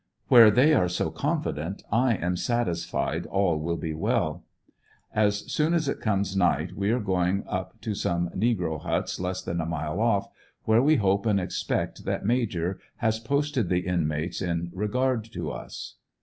Where they are so confident I am satisfied all will be well. As soon as it comes night we are f^oing up to some negro huts less than a mile off, where we hope and expect that Major has posted the inmates in regard to us.